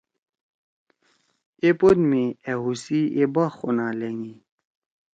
اے پوت می أ ہُوسی اے باغ خونہ لھینگی۔